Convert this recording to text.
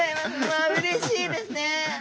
わあうれしいですね。